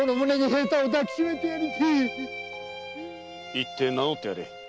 行って名乗ってやれ。